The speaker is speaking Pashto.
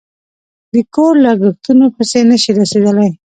د کور لگښتونو پسې نشي رسېدلی